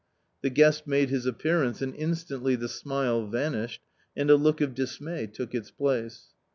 The guest made his appearance and instantly the smile vanished, and a look of dismay took its place.